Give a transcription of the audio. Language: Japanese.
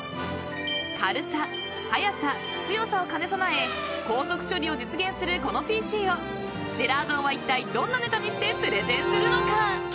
［軽さ速さ強さを兼ね備え高速処理を実現するこのＰＣをジェラードンはいったいどんなネタにしてプレゼンするのか］